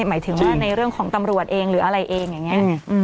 หมายถึงว่าในเรื่องของตำรวจเองหรืออะไรเองอย่างนี้